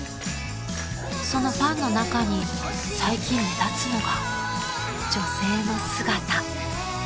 ［そのファンの中に最近目立つのが女性の姿］